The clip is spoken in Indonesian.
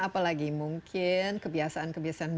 apalagi mungkin kebiasaan kebiasaan